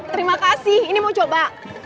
terima kasih ini mau coba